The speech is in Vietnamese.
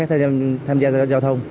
ra ra giao thông